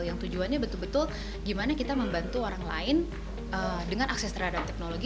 yang tujuannya betul betul gimana kita membantu orang lain dengan akses terhadap teknologi